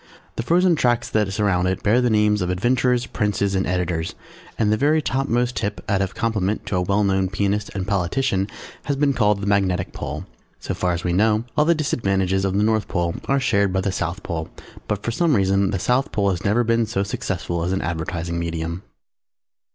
The frozen tracts that surround it bear the names of Adventurers, Princes and Editors, and the very topmost tip, out of compliment to a well known pianist and politician, has been called the Magnetic Pole. [Illustration: THE MAGNETIC POLE] So far as we know, all the disadvantages of the North Pole are shared by the South Pole, but for some reason the South Pole has never been so successful as an advertising medium.